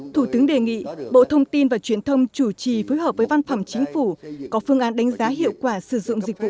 thủ tướng đề nghị bộ thông tin và truyền thông chủ trì phối hợp với văn phòng chính phủ có phương án đánh giá hiệu quả sử dụng dịch vụ